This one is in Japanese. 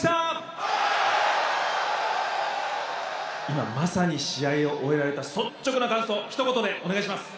今まさに試合を終えられた率直な感想ひと言でお願いします！